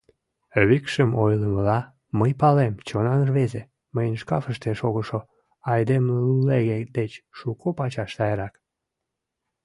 — Викшым ойлымыла, мый палем: «чонан рвезе» мыйын шкафыште шогышо айдемлулеге деч шуко пачаш сайрак.